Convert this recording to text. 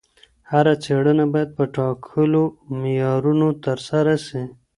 هره څېړنه باید په ټاکلو معیارونو ترسره سي.